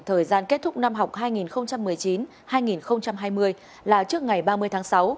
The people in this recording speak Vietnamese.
thời gian kết thúc năm học hai nghìn một mươi chín hai nghìn hai mươi là trước ngày ba mươi tháng sáu